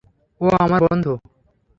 ও আমার বন্ধু।